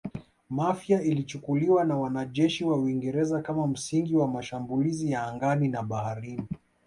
Mafia ilichukuliwa na wanajeshi wa Uingereza kama msingi wa mashambulizi ya angani na baharini